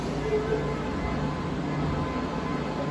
kisasa la Uturuki uliundwa Wakati wa upanuzi wa Uturuki kwenda